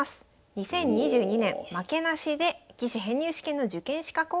２０２２年負けなしで棋士編入試験の受験資格を獲得しました。